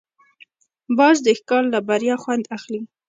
باز د ښکار له بریا خوند اخلي